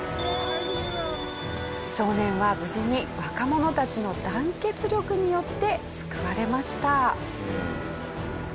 少年は無事に若者たちの団結力によって救われました。